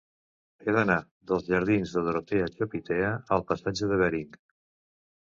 He d'anar dels jardins de Dorotea Chopitea al passatge de Bering.